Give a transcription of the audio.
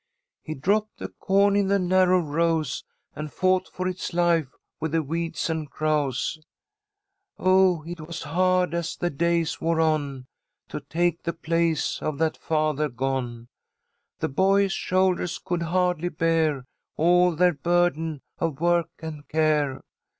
He dropped the corn in the narrow rows, And fought for its life with the weeds and crows. Oh, it was hard, as the days wore on, To take the place of that father, gone. The boyish shoulders could hardly bear All their burden of work and care.